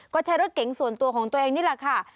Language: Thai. ก็ใช้รถเก๋งส่วนตัวของตัวเองนี่แหละค่ะ